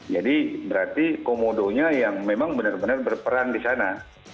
jadi berarti komodonya yang memang benar benar berperan di sana